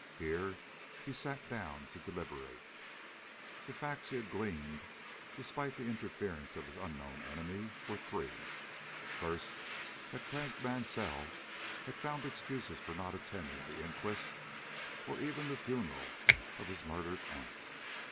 Here he sat down to deliberate. The facts he had gleaned, despite the interference of his unknown enemy, were three: First, that Craik Mansell had found excuses for not attending the inquest, or even the funeral, of his murdered aunt.